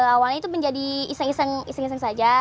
awalnya itu menjadi iseng iseng saja